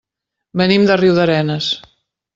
Venim de Riudarenes.